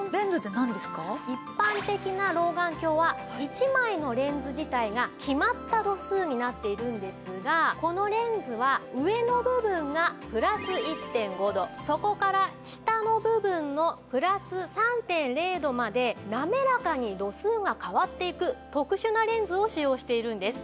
一般的な老眼鏡は１枚のレンズ自体が決まった度数になっているんですがこのレンズは上の部分がプラス１．５度そこから下の部分のプラス３．０度までなめらかに度数が変わっていく特殊なレンズを使用しているんです。